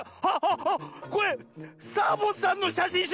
これサボさんのしゃしんしゅう！